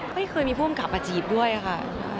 ไม่เคยมีผู้กำกับมาจีบด้วยค่ะ